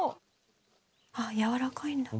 「あっやわらかいんだ」